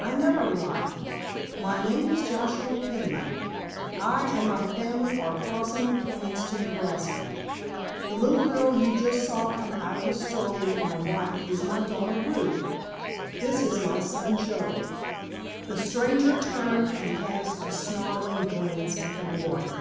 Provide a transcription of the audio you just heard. I never lie. My name is Joshua Peniman. I and my family are crossing the plains to Nebraska. The little girl you just saw come out of that store with my wife is my daughter Ruth. This is my son Joe." The stranger turned and cast a snarling glance at the boy.